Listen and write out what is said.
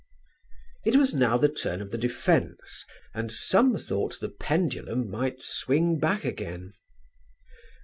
It was now the turn of the defence, and some thought the pendulum might swing back again.